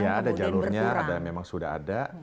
ya ada jalurnya ada memang sudah ada